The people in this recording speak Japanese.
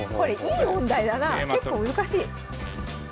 結構難しい。